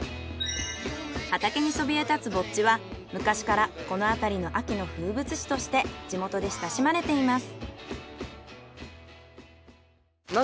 畑にそびえ立つぼっちは昔からこの辺りの秋の風物詩として地元で親しまれています。